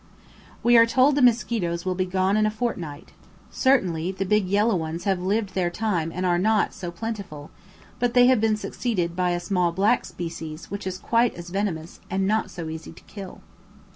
We are told the mosquitoes will be gone in a fortnight; certainly the big yellow ones have lived their time and are, not so plentiful, but they have been succeeded by a small black species which is quite as venomous, and not so easy to kill.